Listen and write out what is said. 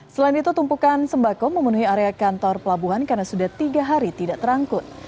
selain itu tumpukan sembako memenuhi area kantor pelabuhan karena sudah tiga hari tidak terangkut